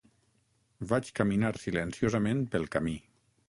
Vaig caminar silenciosament pel camí.